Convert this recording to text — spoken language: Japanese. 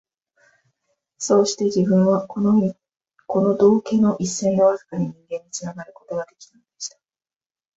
そうして自分は、この道化の一線でわずかに人間につながる事が出来たのでした